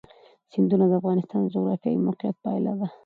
سیندونه د افغانستان د جغرافیایي موقیعت پایله ده.